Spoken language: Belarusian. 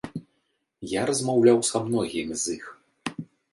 Я размаўляў са многімі з іх.